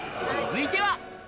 続いては。